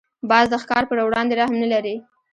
باز د ښکار پر وړاندې رحم نه لري